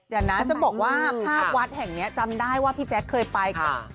เดี๋ยวนะจะบอกว่าภาพวัดแห่งนี้จำได้ว่าพี่แจ๊คเคยไปกับ